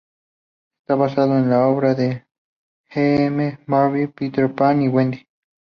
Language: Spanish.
Está basado en la obra de J. M. Barrie, "Peter Pan y Wendy".